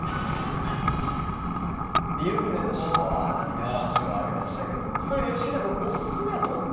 湯船とシャワーなんて話もありましたけどもこれ吉木さんおすすめはどっちになるんですか？